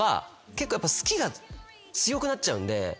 結構好きが強くなっちゃうんで。